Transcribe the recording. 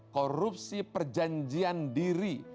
korupsi perjanjian diri